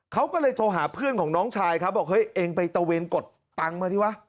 เขาก็เลยโทรหาเพื่อนของน้องชายครับบอกเฮ้ยเองไปตะเวนกดตังค์มาดีวะ